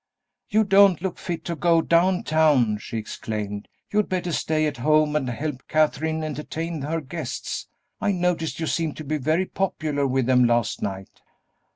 "You don't look fit to go down town!" she exclaimed; "you had better stay at home and help Katherine entertain her guests. I noticed you seemed to be very popular with them last night."